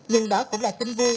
nhưng đó cũng là kinh vui